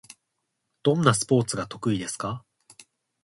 どんなスポーツが得意ですか？